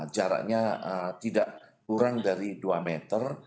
jaraknya tidak kurang dari dua meter